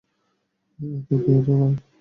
এতো কে করে, ভাই?